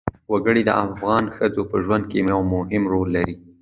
وګړي د افغان ښځو په ژوند کې هم یو رول لري.